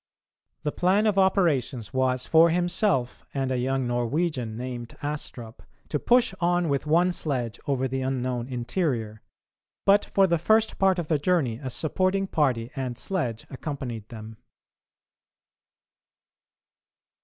The plan of operations was for himself and a young Norwegian, named Astrup, to push on with one sledge over the unknown interior, but for the first part of the journey a supporting party and sledge accompanied them.